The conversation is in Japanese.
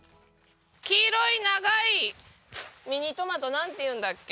黄色い長いミニトマトなんていうんだっけ？